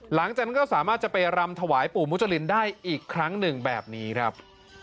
หลังจากนั้นก็สามารถจะไปรำถวายปู่มุจรินได้อีกครั้งหนึ่งแบบนี้ครับ